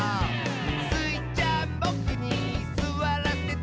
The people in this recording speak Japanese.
「スイちゃんボクにすわらせて？」